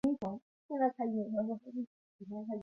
枯立木形成于树木死亡一定时间后。